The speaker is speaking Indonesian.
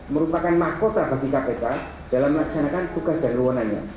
merupakan makota bagi kpk dalam melaksanakan tugas dan ruwunannya